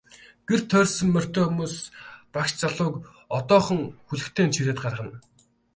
Гэр тойрсон морьтой хүмүүс багш залууг одоохон хүлэгтэй нь чирээд гаргана.